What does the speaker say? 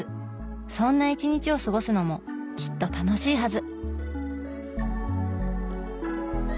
そんな一日を過ごすのもきっと楽しいはず。